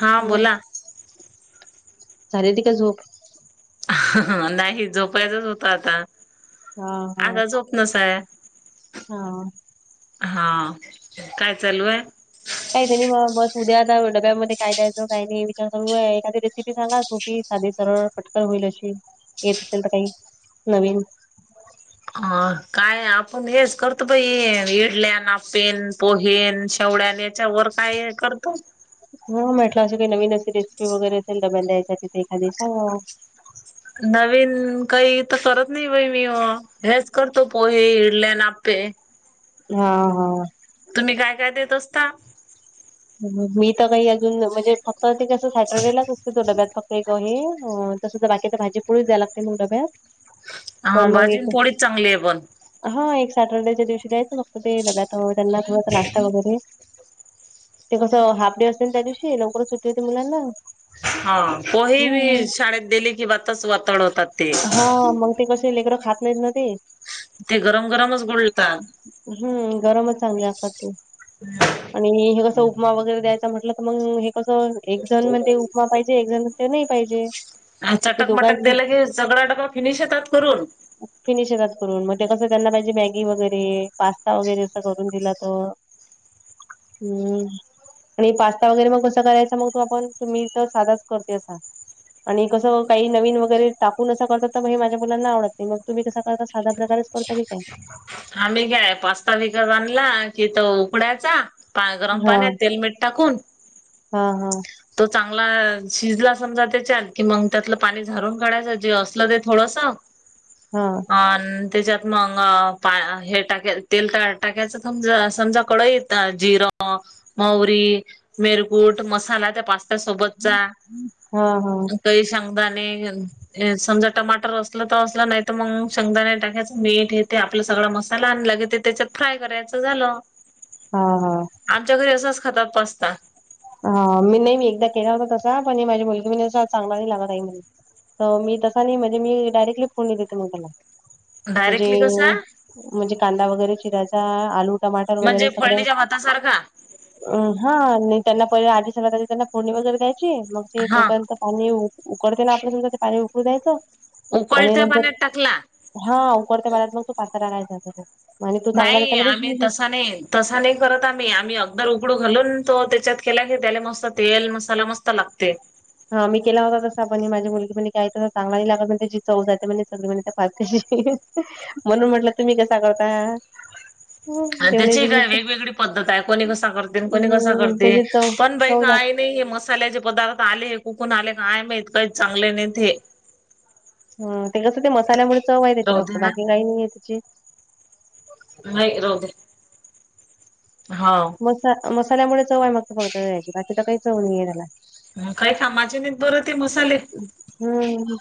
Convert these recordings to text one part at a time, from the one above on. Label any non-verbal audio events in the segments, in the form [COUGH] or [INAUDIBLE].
हा बोला झाले ती का झोप नाही झोपायचच होत आता हा हा. आता झोप नसय हा हा काय चालू आहे काही त्यां नाही मग बस उद्या आता डब्यामध्ये काय द्यायचं काही नाही विचार सगू एखादी रेसिपी सांगा सोपी आधी सरळ पटकन होईल अशी येत असेल तर काही नवीन अ काय का आपण हेच करतो पई इडल्यान आपेन पोहेन शेवड्यान याच्यावरर काय करतो हा म्हटलं असं काही नवीन असशी रेसिपी वगैरे असेल दबन द्यायसाठी ते एखादी सांगा नवीन काही तर करत नाही बाई मी हेच करतो पोहे, इडलॅन, आप्पे. हा हा! तुम्ही काय काय देत असता? मी तर काही अजून म्हणजे फक्त ते कसं सॅटर्डेलाच असतो तो डब्यात फक्त तो हे, तसं तर बाकी तर भाजी पोळीच द्या लागते मग डब्यात. हा मग भाजी पण एक पोळीच चांगली हाय पण. हा एक सॅटर्डेच्या दिवशी द्यायचं फक्त ते डब्यात त्यांना थोडासा नाष्टा वगैरे. ते कसं हाफ डे असते त्या दिवशी लवकरच सुट्टी होती मुलांना. हा पोहे हम्म. बीये शाळेत दिली किं ते वातच वताड होतात ते. ती कशी लेकरं खात नायत ते. ते गरम गरमच गुलतात. हम्म, गरमच चांगले असतात ते आणि हे कस उपमा वगैरे द्यायचा म्हटलं तर मग हे कसं एक जण म्हणते उपमा पाहिजे एक जण म्हणते नाही पाहिजे. हा ते चटक मटक दोघांचे दिलं की सगळा डब्बा फिनिश येतात करून. फिनिश येतात करून मग ते कसं त्यांना पाहिजे मॅगी वगैरे, पास्ता वगैरे, असं करून दिला तर हम्म आणि पास्ता वगैरे मग कसं करायचा मग तो आपण मी तर साधाच करते असा. आणि कसं काही नवीन वगैरे टाकून असं करते तर मग हे माझ्या मुलांना आवडत नाही मग तुम्ही कस करता साध्या प्रकारे करता की काय? आम्ही काय पास्ता विकत आणला कि तो ऊकडायचा पा गरम हा. पाण्यात तेल मीठ टाकून हा हा! तो चांगला शिजला समजा त्याच्यात कि मग त्यातलं पाणी झारून काढायचं जे असलं ते थोडस. हा! अ त्याच्यात मग हे टाक तेल टाकायच समज समजा कढइत जिरा, म्हावरी, मिरकुट, मसाला त्या पास्त्या सोबतचा हा हा आता शेंगदाणे आणि समजा टमाटर असलं तर असलं नाही तर मग शेंगदाणे टाकायचं, मीठ हे ते आपलं सगळा मसाला आणि लगे ते त्याच्यात फ्राय करायचं झालं. हा हा! आमच्या घरी असाच खातात पास्ता. हा, मी नाही बाई मी एकदा केला होता तसा पण ही माझी मुली म्हणे तसा चांगला नाही लागत आई म्हणे. तर मी तसा नाही म्हणजे मी डायरेक्टली फोडणी देते मग त्याला. म्हणजे डायरेक्टली कसा म्हणजे कांदा वगैरे चिरायचा, आलू टमाटर वगैरे म्हणजे सगळं फळणीच्या भातासारखा अ हा नाई त्यांना पहिले आधी सगळ्यात आधी त्यांना फोडणी वगैरे द्यायची मग ते हा तोपर्यंत पाणी उकडतेना आपण समजा ते पाणी उकडू द्यायचं आणि उकळत्या नंतर पाण्यात टाकला हा उकळत्या पाण्यात मग तो पास्ता टाकायचा त्याच्यात. आणि तो चांगला नाही त्याच्यामध्ये आम्ही शिजला तसा नाही तसा नाइ करत आम्ही, आम्ही अगदर उघडू घालून तो त्याच्यात केला की त्याले मस्त तेल मसाला मस्त लागते. हा मी केला होता तसा पण ही माझी मुलगी म्हणे काय तंस चांगला नाही लागत त्याची चव जाते म्हणे सगळी त्या पास म्हणून म्हटलं तुम्ही कसा करता? ते म्हणे त्याची काय च- वेगवेगळी पद्धत आहे कोणी कसा करते कोणी कसा हम्म करते त्याची चव पण बाई चव जाते काय हे मसाल्याचे पदार्थ आले कुकून आले काय माहीत काही चांगले नाहीत हे. हम ते कसं ते मसाल्यामुळे चव आहे त्याची राहू फक्त दे ना बाकी काही नाहीये त्याची. नाय राहूद्या. हाव! मसा मसाल्यामुळे चव आहे मग फक्त त्याची बाकी तर काही चव नाहीये याला. म काय कामाचेे नाहीत बर ते मसाले. हम्म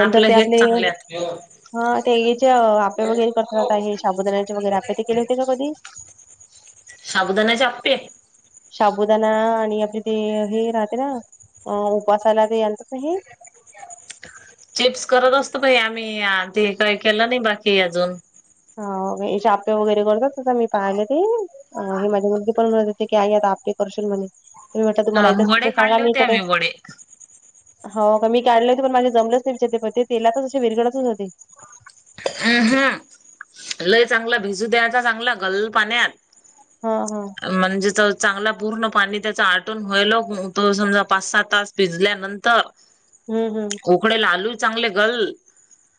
नंतर आपलं ते हेच आपले चांगले आहेत हा, ते याचे आप्पे वगैरे करता आता हे साबुदानाण्याचे वगैरे आप्पे ते केले होते का कधी? साबुदानाच्या आप्पे? शाबुदाना आणि आपले ते हे राहते ना, अ उपासाला ते आणतात ना हे चिप्स करत असतो, बाई आम्ही ते काही केलं नाही बाकी अजून. हा हाचे आप्पे वगैरे करतात, मी पाहिले ते. अ हे माझी मुलगी पण म्हणत होती, की आई आता आप्पे करशील म्हणे. मी म्हटलं तुम्हाला हा येत असते, वडे तर सांगा काढले मी होते तर काय आम्ही वडे हो का? मी काढलं होते पण माझे जमलंच नाही, विच्या ते पण तेलातच असे विरगळतच होते. आहा, लय चांगला भिजू द्यायच चांगला गल पाण्यात हा हा. म्हणजे, त चांगला पूर्ण पाणी त्याचा आटून व्हायलो, तो समजा पाच सात तास भिजल्यानंतर ह ह. उकडेल आलू चांगले घल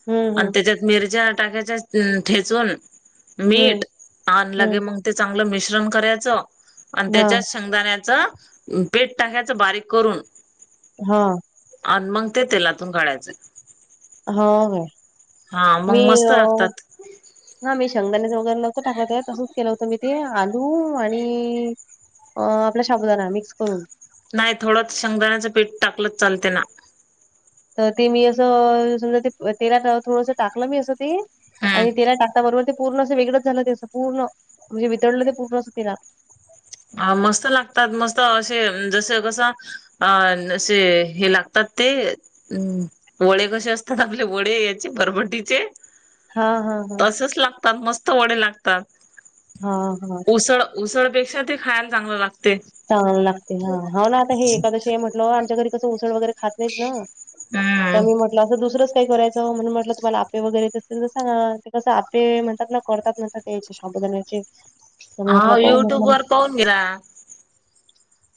हम्म आणि हम्म त्याच्यात मिरच्या टाक्याच्या ठेचून हम्म मीठ आण लगे हम्म मग ते चांगलं मिश्रण करायचं, आणि हा त्याच्याच शेंगदाण्याच पीट टाकायचं बारीक करून. हा. आण मग ते तेलातून काढायचंय. हा ह. हा, मग मस्त लागतात. हा मी शंगदानेच वगैरे नव्हत टाकल, त्यात तसच केलं होतं मी ते धू आणि आपला शाबुदाना मिक्स करून नाही थोडंचं शेंगदाण्याचं पीठ टाकलंच चालते ना? तर ते मी असं समजा ते तेलात थोडस टाकलं, मी असं ते हम्म आणि तेला टाकता बरोबर ते पूर्ण असं वेगळंच झालं, ते असं पूर्ण म्हणजे वितळलं ते पूर्णचं तेलात. अ मस्त लागतात, मस्त असे जस कसं? अ असे हे लागतात, ते. हम वडे कसे असतात, आपले वडे याचे बरमटीचे. हां हां हां. तसचं लागतात, मस्त वडे लागतात हां हां उसळं उसळ पेक्षा ते खायला चांगलं लागतं. चांगल लागत, हा हा ना आता हे एकादशी म्हट आमच्या घरी कसं उसळ वगैरे, खात नाहीत ना त हम्म मी असं दुसरंच काय करायचं, म्हणून म्हटलं तुम्हाला आप्पे वगैरे येत असतील तर सांगा. ते कसं आप्पे म्हणतात ना करतात म्हण तेच शाबुदाण्याचेच हा युट्युब वर पाहून घेणा.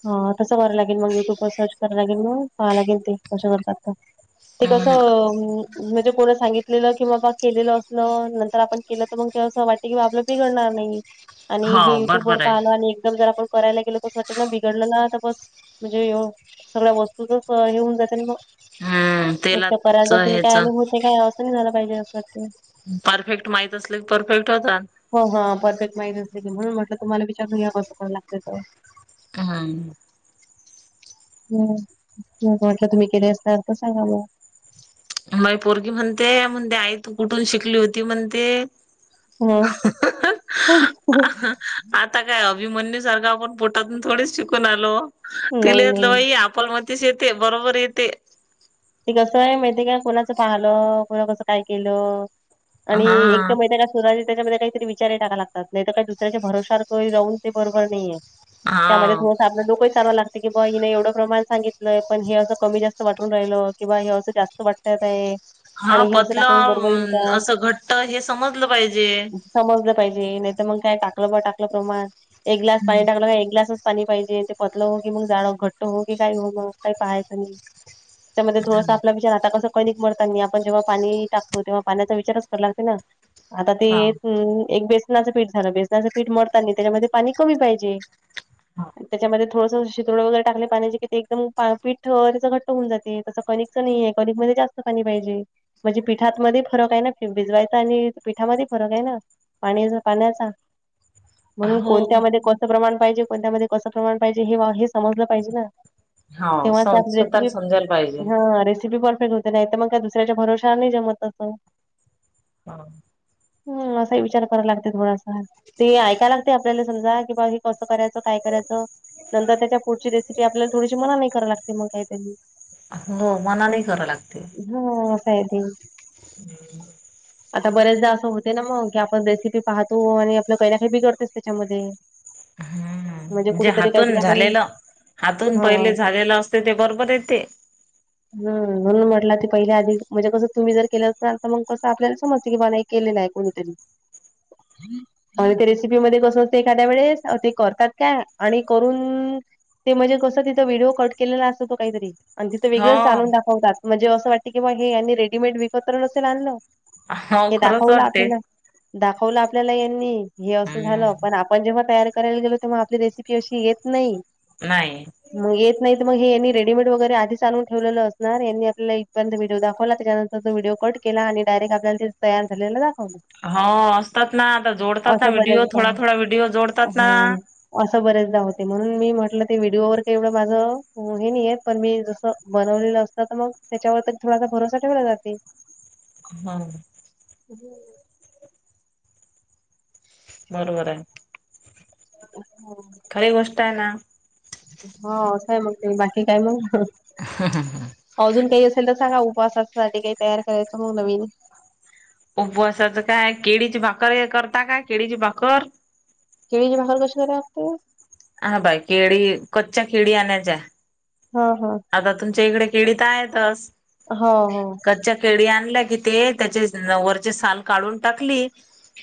हा तसं करावं लागेल, मग युट्युब वर सर्च कराव लागेल, मग पाहाव लागेल ते कशावर करतात. ते कसं? हम्म म्हणजे कोण सांगितलेलं, कि बाबा केलेलं असलं नंतर आपण केलं, तर मग ते असं वाट आपल बिघडणार नाही, आणि हो हे युट्यूब वर बरोबर पाहाल आहे आणि एकदम जर आपण करायला गेलो अस वाटत ना, बिघडल ना, तर बस म्हणजे सगळ्या वस्तूचच हे होऊन जाते ना, मग. हम्म एक तर कराय तेलाच जातयं काय? ह्याच आणि हो ते काय अस नाही झाला पाहिजे, असं वाटते. परफेक्ट माहित असलं, कि परफेक्ट होता. हो हा परफेक्ट माहीत असते की, म्हणून म्हटलं तुम्हाला विचारून घ्याव काय लागतं त. हा न. हम मग म्हटलं, तुम्ही केले असता तर सांगा मग? माय पोरगी म्हणते, म्हणते आई तू कुठून शिकली होती म्हणते. ह अ ह ह आता काय अभिमन्यू सारखा आपण पोटातून थोडीच शिकून आलो, तिला नाही यातलं नाही. बाई आपण म तसे येते, बरोबर येते. ते कसं आहे माहितेय, का कुणाचं पाहलं कोणा कसं काय केलं आणि हा एक तर माहितेय [UNINTELLIGIBLE] त्याच्यामध्ये काहीरी विचारही टाकाय लागतात, नाही तर काही दुसऱ्याच्या भरोशावर राहून ते बरोबर नाहीये. त्यामध्ये हा थोडंस आपलं डोकंही चालवं लागत [UNINTELLIGIBLE] की बा हिने एवढं प्रमाण सांगितलंय पण हे असं कमी जास्त वाटून राहिललं [UNINTELLIGIBLE] किंवा हे अ असं जास्त वाटतंय आता हे [UNINTELLIGIBLE] हा असं टाकलेलं पतलं बरोबर येईल काय असं घट्ट हे समजलं पाहिजे [UNINTELLIGIBLE] समजलं पाहिजे नाही तर मग काय टाकलं ब टाकलं प्रमाण एक ग्लास पाणी हम्म टाकलं का एक ग्लासच [UNINTELLIGIBLE] पाणी पाहिजे ते पतलं हो की मग जाडं घट्ट हो की काही हो मग काही पाहायचं नाही [UNINTELLIGIBLE] तिच्यामध्ये थोडस [UNINTELLIGIBLE] आता कसं कणिक मळतानी आपण जेव्हा पाणी टाकतो तेव्हा पाण्याचा विचारच कराव लागत ना [UNINTELLIGIBLE] आता ते हा एक बेसनाचं पीठ झालं बेसनाचं पीठ मरतानी त्याच्यामध्ये पाणी कमी पाहिजे [UNINTELLIGIBLE] त्यामध्ये थोडस शिरोड वगैरे टाकल पाण्याचे कि ते एकदम पीठ [UNINTELLIGIBLE] घट्ट होऊन जात ते तसं कणिकचं नाहीये कनिक मधे जास्त पााणी पाहिजे [UNINTELLIGIBLE] म्हणजे पिठातमधे फरक हाय ना भिजवायचा आणि पिठामधे फरक हाय ना [UNINTELLIGIBLE] पाणीज पाण्याचा हा म्हणून हो कोणत्या मधे कोण [UNINTELLIGIBLE] प्रमाण पाहिजे कोणत्या मधे कसं प्रमाण पाहिजे हे हे समजलं पाहिजे ना [UNINTELLIGIBLE] हा स तेव्हाच आपली स्वतःला रेसिपी समजायला पाहिजे [UNINTELLIGIBLE] हा रेसिपी परफेक्ट होते नाही तर मग काय दुसऱ्याच्या भरोवश्यान जमत ततो [UNINTELLIGIBLE] हा [UNINTELLIGIBLE] हम असाही विचार करायला लागते थोडासा [UNINTELLIGIBLE] ते ऐकायला लागते आपल्याला समजा कि बा हे कसं करायचं काय करायचं [UNINTELLIGIBLE] नंतर त्याच्या पुढची रेसिपी आपल्याला थोडीशी मनानेही करावी लागते मग काही तरी [UNINTELLIGIBLE] हो मनानेही करावी लागते [UNINTELLIGIBLE] ह अस हाय ते [UNINTELLIGIBLE] आता बऱ्याचदा असं होते ना मग की आपण रेसिपी पाहतो आणि आपलं काही ना काही बिगडतेस त्याच्यामधे [UNINTELLIGIBLE] हम म्हणजे हातून आपण झालेलं हातून हा पहिले झालेलं अस [UNINTELLIGIBLE] ते बरोबर येते [UNINTELLIGIBLE] हम म्हणून म्हटला ते पहिले आधी म्हणजे कसं तुम्ही जर केलं असाल तर मग कसं आपल्याला समजतं की बानाई [UNINTELLIGIBLE] केलेलाय कोणीतरी [UNINTELLIGIBLE] आणि ते रेसिपी मधे कसं असते एखाद्या वेळेस ते करतात काय आणि करून [UNINTELLIGIBLE] ते म्हणजे कसं तिथ व्हिडिओ कट केलेला असतो काहीतरी [UNINTELLIGIBLE] आणि तिथं हो वेगळेच चालून दाखवतात म्हणजे असं वाटतं की मग हे यांनी रेडीमेड विकत तर नसेल आणलं हो [UNINTELLIGIBLE] हे खरंच दाखवलं वाटते. आपल्याला दाखवलं आपल्याला यांनी हे असं हम्म झालं पण आप पण जेव्हा तयारी करायला गेलो तेव्हा आपली रेसिपी अशी येत नाही [UNINTELLIGIBLE] नाही [UNINTELLIGIBLE] मग येत नाही तर मग हे यांनी रेडीमेड वगैरे [UNINTELLIGIBLE] ते आधीच आणलून ठेवलेलं असणार यांनी आपल्या इथपर्यत व्हडिओ दाखवला त्याच्यानंतर तो व्हिडिओ कट केला आणि डायरेक्ट आपल्याला तयार झालेलं रा [UNINTELLIGIBLE] हा असतात ना आता जोडतात ना असं व्हिडीओ बऱ्याचदा थोडा थोडा व्हिडीओ जोडतात ना हं. [UNINTELLIGIBLE] असं बरेचदा होते म्हणून मी म्हटलं ते व्हिडिओवर तेवढं माझं हे नाहीये [UNINTELLIGIBLE] पण मी जसं बनवलेलं असतं तर मग त्याच्यावर तर थोडासा भरोसा ठेवला जाते [UNINTELLIGIBLE] हा [UNINTELLIGIBLE] [UNINTELLIGIBLE] [UNINTELLIGIBLE] बरोबर हाय [UNINTELLIGIBLE] हा [UNINTELLIGIBLE] खरी गोष्ट आहे ना [UNINTELLIGIBLE] हा असं हाय मग ते बाकी काय मग [UNINTELLIGIBLE] हा हा हा [UNINTELLIGIBLE] अजून काही असेल तर सांगा उपवासासाठी काही तयार करायचं मग नवीन [UNINTELLIGIBLE] उपवासाचं काय केळीची भाकर हे करता काय केळीची भाकर [UNINTELLIGIBLE] केळीची भाकर कशी कराय लागते [UNINTELLIGIBLE] हा बाई केळी कच्च्या केळी आणायच्या [UNINTELLIGIBLE] हा हा. आता तुमच्या इकडे केळी त आहेतच हो हो कच्च्या केळी आणल्या की ते त्याचे वरचे साल काढून टाकली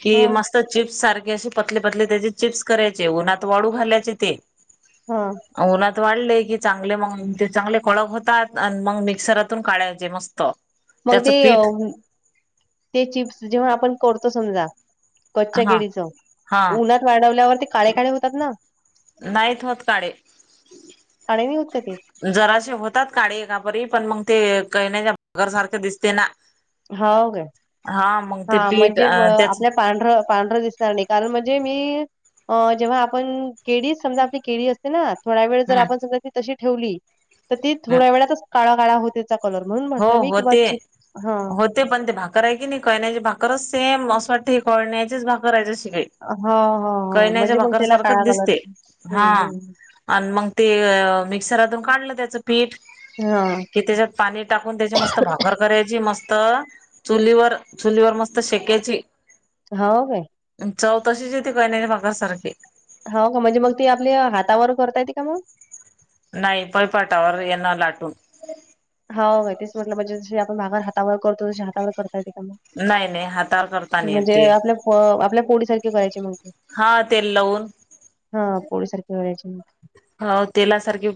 कि हा मस् त चिप्स सारखे असे पतले पतले त्याचे चिप्स करायचे उन्हात वाळू घालायचे ते हा. उन्हात वाळले की चांगले मंग ते चांगले कडक होतात आन मग मिक्सरातून काढायचे मस्त. मग त्याचं ते पीठ ते चिप्स जेव्हा आपण करतो समजा कच्च्या हा केळीच हा उन्हात वाळवल्यावर ते काळे काळे होतात ना? नाहीत होत काळे. काळे नही होत का ते? जराशी होतात काळी कापरी पण मंग ते कळण्याच्या गर सारख दिसते ना. होव काय. हां. हां म्हणजे व आपल्या पांढरं पांढर दिसणार नाही कारण म्हणजे मी अ जेव्हा आपण केळीच समजा आपली केळी अस तना थोडा वेळ जर हम्म आपण समजा ती तशी ठेवली तर ती हम्म थोड्या वेळातच काळा काळा होतेत. चा कलर म्हणून म्हटलं मी किंवा चिक हां. ते पण ते भाकर आहे की नाही कळण्याचे भाकर असते म असं वाटतं हे कळण्याचेच भाकर आहे जशी काय. हां, हां, हां. कळण्याच्या म्हणजे मग भाकार त्याला सारखच काळा कलर दिसते. हं, हां. हं. आनं मग ते मिक्सरातून काढलं त्याचं पीठ. हां. कि त्याच्यात पाणी टाकून त्याची मस्त भाकर करायची मस्त. चुलीवर चुलीवर मस्त शेक्यायची. हाव काय? अनं चव तीशीच येते कळण्याच्या भाकरा सारखी. होव का म्हणजे मग ती आपल्या हातावर करता येते का म? नाही पळपाटावर येणार लाटून. हाव तेच म्हटलं म्हणजे जी आपण भाकर हातावर करतो तशी हातावर करता येते का म? नाही नाही हातावर करता नाही येत ती. हो आपल्या फोडीसारखी व्हयाची मंग. हा तेल लावून. हां पोळीसारखी करायची मग. होव तेलासारखी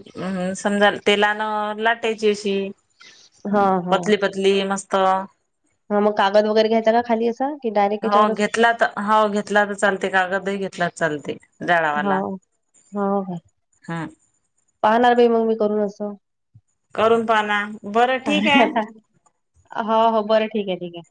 समजा तेलान लाटायची अशी. हां, हां. पतली पतली मस्त. हा म कागद वगैरे घ्यायचा का खाली असा कि डायरेक्ट ह्याच्यावरच. हाव घेतला त चालते कागदही घेतला चालते. हाव हो. हां. पाहणार बाई मग मी करून असं. करून पाहाना बरं ठिक आहे. अ हो हो बरं ठिक आहे ठिक आहे.